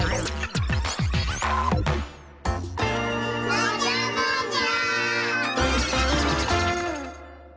もじゃもじゃ！